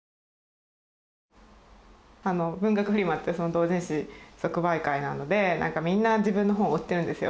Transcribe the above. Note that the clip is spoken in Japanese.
文学フリマって同人誌即売会なのでみんな自分の本を売ってるんですよ。